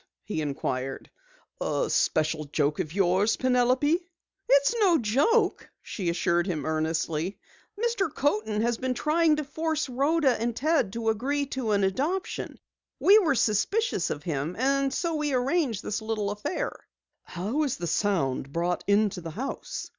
he inquired. "A special joke of yours, Penelope?" "It's no joke," she assured him earnestly. "Mr. Coaten has been trying to force Rhoda and Ted to agree to an adoption. We were suspicious of him, and so we arranged this little affair." "How is the sound brought into the house?"